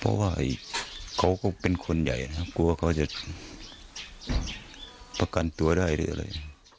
เพราะว่าเขาก็เป็นคนใหญ่นะครับกลัวเขาจะประกันตัวได้หรืออะไร